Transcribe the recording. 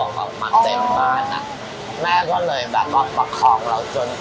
อ่อเขามาเต็มบ้านอ่ะแม่ก็เลยแบบออกมาของเราจน